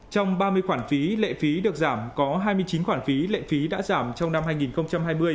trong ba mươi khoản phí lệ phí được giảm có hai mươi chín khoản phí lệ phí đã giảm trong năm hai nghìn hai mươi